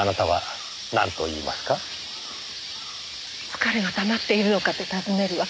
疲れがたまっているのかと尋ねるわ。